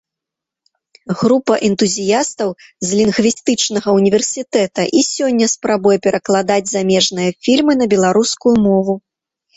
Група энтузіястаў з лінгвістычнага ўніверсітэта і сёння спрабуе перакладаць замежныя фільмы на беларускую мову.